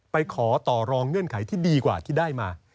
ไปขอต่อรองเงื่อนไขที่ดีกว่าที่ได้มา